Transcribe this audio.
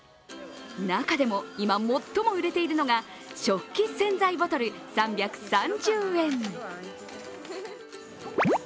中でも、今、最も売れているのが食器洗剤ボトル３３０円。